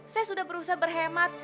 saya sudah berusaha berhemat